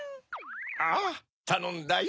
ああたのんだよ。